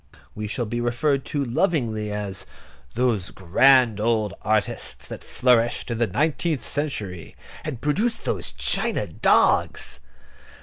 We shall be referred to lovingly as "those grand old artists that flourished in the nineteenth century, and produced those china dogs."